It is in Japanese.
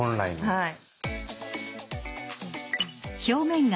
はい。